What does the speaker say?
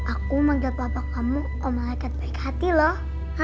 aku manggil papa kamu om malaikat baik hati loh